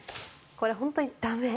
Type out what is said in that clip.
これ、本当に駄目。